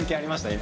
今。